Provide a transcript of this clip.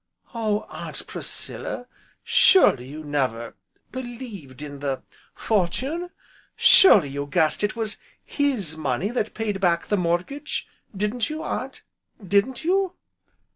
"Oh Aunt Priscilla! surely you never believed in the fortune? Surely you guessed it was his money that paid back the mortgage, didn't you, Aunt, didn't you?"